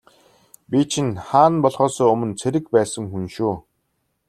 Би чинь хаан болохоосоо өмнө цэрэг байсан хүн шүү.